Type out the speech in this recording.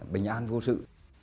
bình an vô sự